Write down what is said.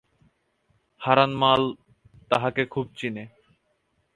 হারান মাল তাহাকে খুব চেনে।